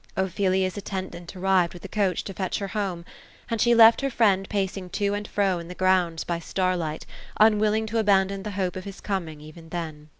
Ophelia's attendant arrived, with the coach to fetch her home. And she left her friend pacing to and fro in the grounds, by starlight, unwil ling to abandon the hope of his coming, even then.